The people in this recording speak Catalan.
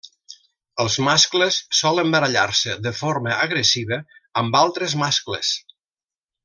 Els mascles solen barallar-se de forma agressiva amb altres mascles.